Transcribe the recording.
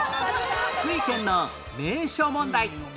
福井県の名所問題